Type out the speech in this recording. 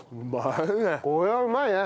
これはうまいね。